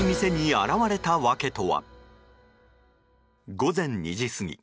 午前２時過ぎ